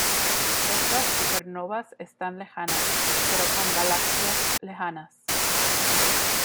Estas supernovas están lejanas, pero con galaxias lejanas.